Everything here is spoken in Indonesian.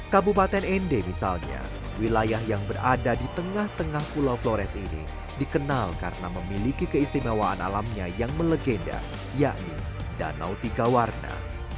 kabupaten ende misalnya wilayah yang berada di tengah tengah pulau flores ini dikenal karena memiliki keistimewaan alamnya yang melegenda yakni danau tiga warna